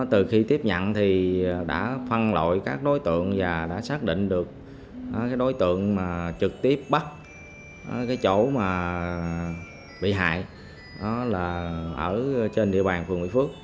từ khi tiếp nhận thì đã phân lội các đối tượng và đã xác định được đối tượng trực tiếp bắt chỗ bị hại ở trên địa bàn phường mỹ phước